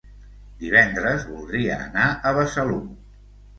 Divendres voldria anar a Besalú.